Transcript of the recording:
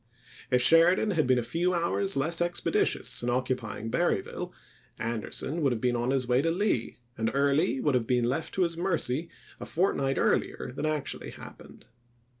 If Sheridan had been a few hours less expeditious in occupying Berryville, Anderson would have been on his way to Lee, and Early would have been left to his mercy a fortnight earlier than actually happened.